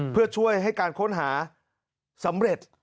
เพื่อช่วยให้การค้นหาสำเร็จ